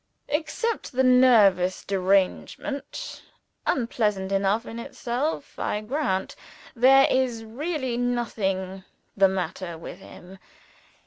Except the nervous derangement (unpleasant enough in itself, I grant), there is really nothing the matter with him.